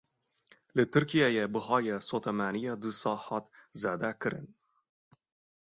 Li Tirkiyeyê bihayê sotemeniyê dîsa hat zêdekirin.